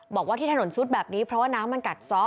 บอกว่าที่ถนนซุดแบบนี้เพราะว่าน้ำมันกัดซ้อ